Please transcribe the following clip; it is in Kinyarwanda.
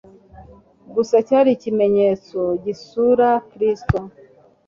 Gusa cyari ikimenyetso gisura Kristo.